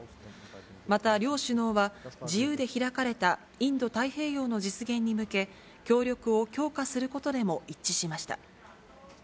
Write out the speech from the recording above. また両首脳は、自由で開かれたインド太平洋の実現に向け、協力を強化することでも一致しました。